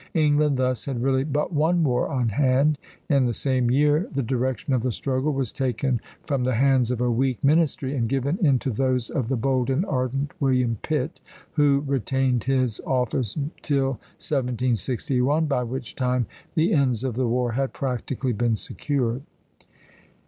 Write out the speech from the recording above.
England thus had really but one war on hand. In the same year the direction of the struggle was taken from the hands of a weak ministry and given into those of the bold and ardent William Pitt, who retained his office till 1761, by which time the ends of the war had practically been secured.